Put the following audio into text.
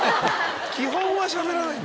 基本はしゃべらないんだ。